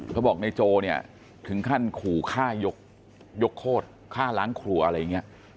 เขาบอกในโจถึงขั้นขู่ค่ายกโฆษณ์ค่าล้างครัวอะไรอย่างนี้